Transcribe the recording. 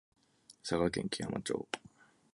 佐賀県基山町